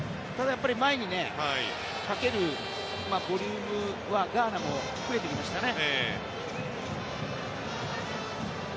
やっぱり前にかけるボリュームはガーナも増えてきましたね。